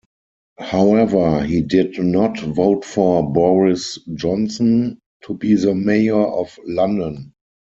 However, he did not vote for Boris Johnson to be the Mayor of London.